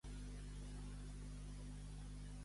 Aigua de Sant Mateu, porcs, verema i borrecs «gords».